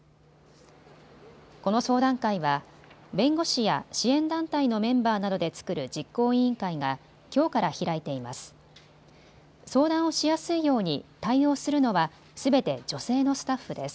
この相談会は弁護士や支援団体のメンバーなどで作る実行委員会がきょうから開いています。